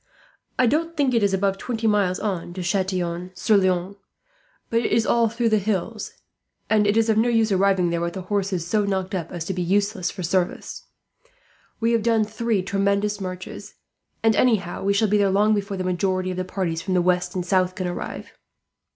"I don't think it is above twenty miles on to Chatillon sur Loing; but it is all through the hills, and it is of no use arriving there with the horses so knocked up as to be useless for service. We have done three tremendous marches, and anyhow, we shall be there long before the majority of the parties from the west and south can arrive.